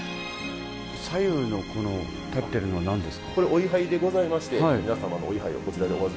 左右のこの立ってるのは何ですか？